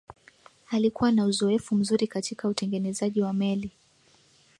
alikuwa na uzoefu mzuri katika utengenezaji wa meli